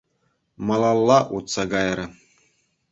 Малалла утса кайрӗ.